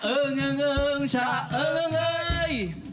เอิงชะเอิงเฮ้ย